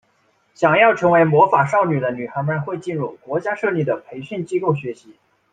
想要成为魔法少女的女孩们会进入国家设立的培训机构学习。